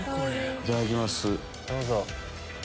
いただきます。